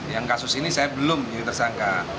yang kasus ini saya belum jadi tersangka